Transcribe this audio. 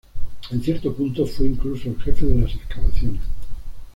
En cierto punto, fue incluso el jefe de las excavaciones.